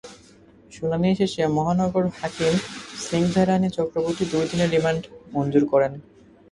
শুনানি শেষে মহানগর হাকিম স্নিগ্ধা রানী চক্রবর্তী দুই দিনের রিমান্ড মঞ্জুর করেন।